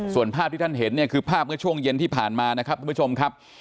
ส่วนภาพที่ท่านเห็นเนี่ยคือภาพเมื่อช่วงเย็นที่ผ่านมานะครับทุกผู้ชมครับ